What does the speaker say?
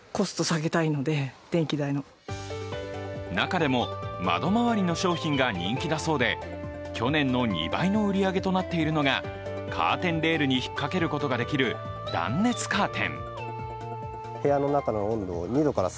中でも窓周りの商品が人気だそうで去年の２倍の売り上げとなっているのがカーテンレールに引っ掛けることができる断熱カーテン。